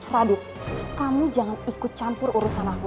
radit kamu jangan ikut campur urusan aku